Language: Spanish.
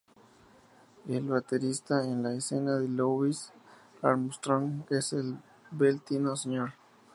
El baterista en la escena con Louis Armstrong es Vel Tino, Sr.